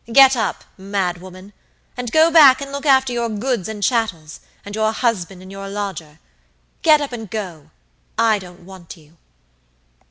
Get up, mad woman, and go back and look after your goods and chattels, and your husband and your lodger. Get up and go: I don't want you."